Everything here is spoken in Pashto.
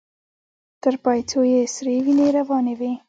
تر پايڅو يې سرې وينې روانې وې.